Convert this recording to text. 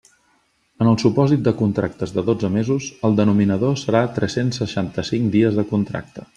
En el supòsit de contractes de dotze mesos, el denominador serà tres-cents seixanta-cinc dies de contracte.